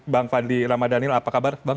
bang fadli ramadhanil apa kabar bang